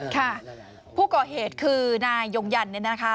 ค่ะผู้ก่อเหตุคือนายยงยันเนี่ยนะคะ